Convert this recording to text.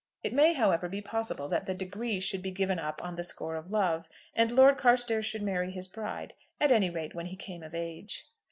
It may, however, be possible that the degree should be given up on the score of love, and Lord Carstairs should marry his bride, at any rate when he came of age.